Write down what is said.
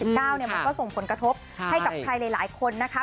มันก็ส่งผลกระทบให้กับใครหลายคนนะคะ